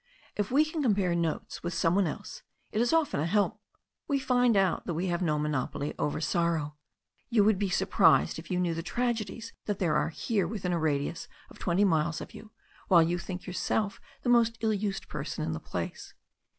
If we can compare notes with some one else, it is often a help. We find out that we have no monopoly over sorrow. You would be surprised if you knew the tragedies that there are here within a radius of twenty miles of you, while you think yourself the most ill used person in the place."